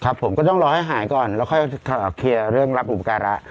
ผมก็ต้องรอให้หายก่อนแล้วค่อยเคลียร์เรื่องรับอุปการะ